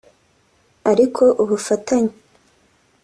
Ariko ubufatanye